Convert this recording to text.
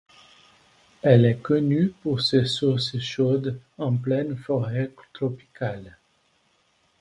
Elle est connue pour ses sources chaudes en pleine forêt tropicale.